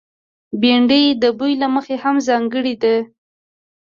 بېنډۍ د بوي له مخې هم ځانګړې ده